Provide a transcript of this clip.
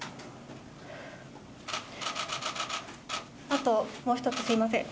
あともう１つすみません。